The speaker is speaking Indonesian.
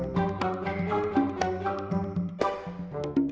nggak ada hantu nenek nenek di sini